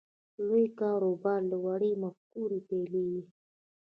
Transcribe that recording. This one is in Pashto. لوی کاروبار له وړې مفکورې پیلېږي